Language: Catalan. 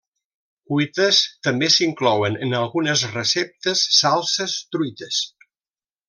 Cuites també s'inclouen en algunes receptes, salses, truites.